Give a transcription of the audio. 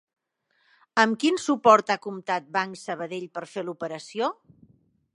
Amb quin suport ha comptat Banc Sabadell per fer l'operació?